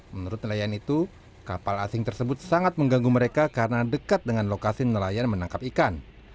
menurut nelayan itu kapal asing tersebut sangat mengganggu mereka karena dekat dengan lokasi nelayan menangkap ikan